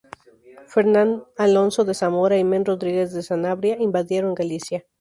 Fernán Alfonso de Zamora y Men Rodríguez de Sanabria, invadieran Galicia.